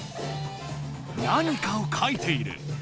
何かを書いている。